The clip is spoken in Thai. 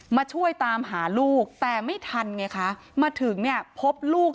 มาช่วยตามหาลูกแต่ไม่ทันไงคะมาถึงเนี่ยพบลูก